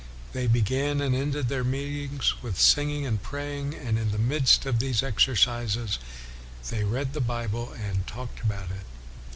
They began and ended their meetings with singing and praying, and in the midst of these exercises they read the Bible and talked about it.